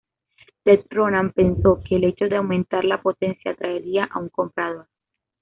Ted Ronan pensó que el hecho de aumentar la potencia atraería a un comprador.